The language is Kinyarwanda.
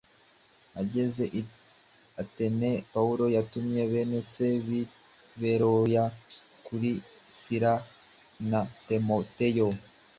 Ageze Atene, Pawulo yatumye bene se b’i Beroya kuri Sila na Timoteyo